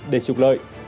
để trục lợi